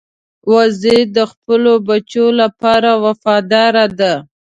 وزې د خپلو بچو لپاره وفاداره ده